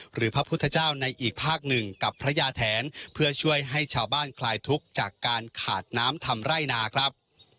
พระพุทธเจ้าในอีกภาคหนึ่งกับพระยาแทนเพื่อช่วยให้ชาวบ้านคลายทุกข์จากการขาดน้ำทำไร่นาครับ